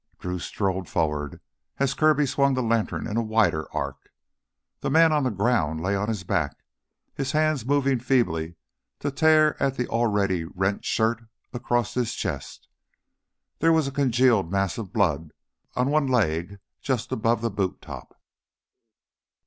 Drew strode forward as Kirby swung the lantern in a wider arc. The man on the ground lay on his back, his hands moving feebly to tear at the already rent shirt across his chest. There was a congealed mass of blood on one leg just above the boot top.